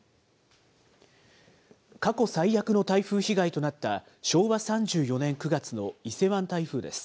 過去最悪の台風被害となった昭和３４年９月の伊勢湾台風です。